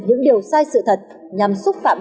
những điều sai sự thật nhằm xúc phạm